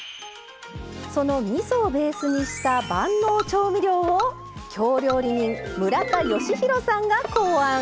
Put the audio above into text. そのみそをベースにした万能調味料を京料理人村田吉弘さんが考案。